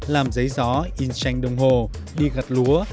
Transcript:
làm giấy gió in tranh đồng hồ đi gặt lúa